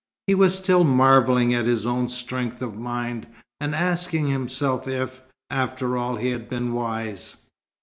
He was still marvelling at his own strength of mind, and asking himself if, after all, he had been wise.